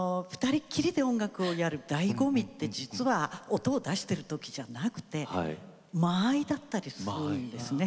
２人きりでやるだいご味というのは音を出してる時じゃなくて間合いだったりするんですね。